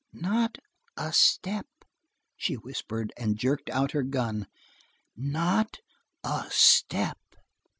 "Not a step!" she whispered, and jerked out her gun. "Not a step!"